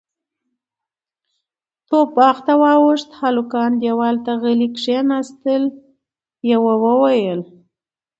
توپ باغ ته واوښت، هلکان دېوال ته غلي کېناستل، يوه وويل: